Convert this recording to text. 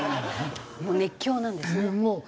もう熱狂なんですね。